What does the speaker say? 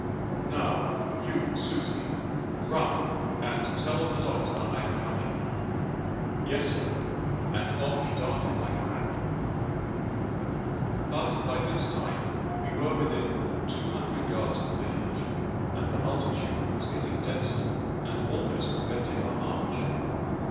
"Now, you Susi, run, and tell the Doctor I am coming." "Yes, sir," and off he darted like a madman. But by this time we were within two hundred yards of the village, and the multitude was getting denser, and almost preventing our march.